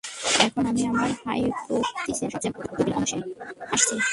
এখন আমি আমার হাইপোথিসিসের সবচেয়ে জটিল অংশে আসছি।